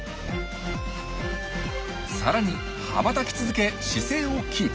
さらに羽ばたき続け姿勢をキープ。